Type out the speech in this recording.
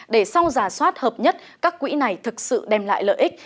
để sau giả soát hợp nhất các quỹ này thực sự đem lại lợi ích